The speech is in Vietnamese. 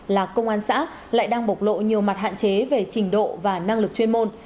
là công an xã lại đang bộc lộ nhiều mặt hạn chế về trình độ và năng lực chuyên môn